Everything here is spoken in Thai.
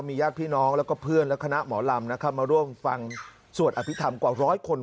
ญาติพี่น้องแล้วก็เพื่อนและคณะหมอลำนะครับมาร่วมฟังสวดอภิษฐรรมกว่าร้อยคน